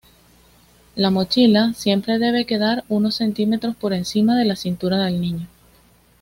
La mochila siempre debe quedar unos centímetros por encima de la cintura del niño.